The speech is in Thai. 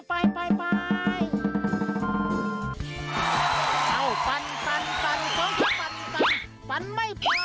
เอ้าปัน๒ครับปันปันไม่พอ